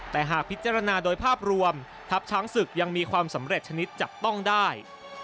แต่หากพิจารณาโดยภาพรวมทัพช้างศึกยังมีความสำเร็จชนิดจับต้องได้